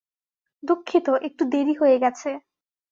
দুঃখিত, একটু দেরী হয়ে গেছে।